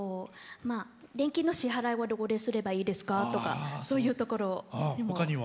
電気の支払いをどこですればいいですかとかそういうところ。